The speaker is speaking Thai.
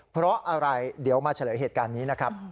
เพราะอะไรเดี๋ยวมาเฉลยเหตุการณ์นี้นะครับ